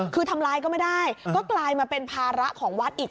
คือทำลายก็ไม่ได้ก็กลายมาเป็นภาระของวัดอีก